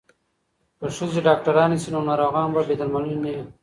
که ښځې ډاکټرانې شي نو ناروغان به بې درملنې نه وي.